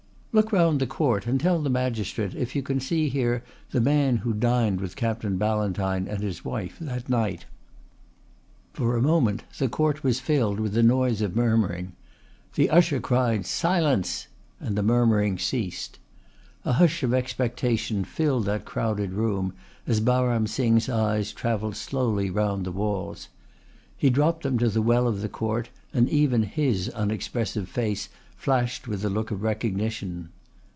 "Look round the court and tell the magistrate if you can see here the man who dined with Captain Ballantyne and his wife that night." For a moment the court was filled with the noise of murmuring. The usher cried "Silence!" and the murmuring ceased. A hush of expectation filled that crowded room as Baram Singh's eyes travelled slowly round the walls. He dropped them to the well of the court, and even his unexpressive face flashed with a look of recognition.